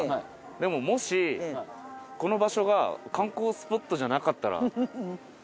でももしこの場所が観光スポットじゃなかったら。